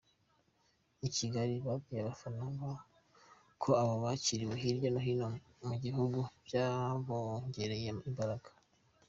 I Kigali babwiye abafana ko uko bakiriwe hirya no hino mu gihugu byabongereye imbaraga.